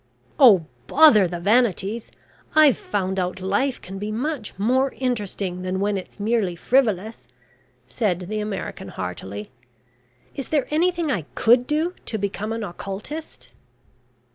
"Oh, bother the vanities. I've found out life can be much more interesting than when it's merely frivolous," said the American, heartily. "Is there anything I could do to become an occultist?"